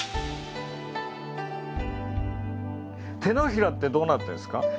手のひらってどうなってるんですか？